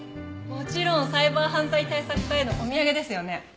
もちろんサイバー犯罪対策課へのお土産ですよね？